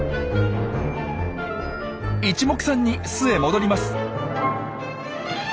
いちもくさんに巣へ戻ります。